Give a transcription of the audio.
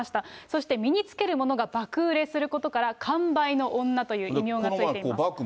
そして身につけるものが爆売れすることから、完売の女という異名がついてます。